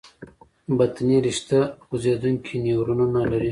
بطني رشته خوځېدونکي نیورونونه لري.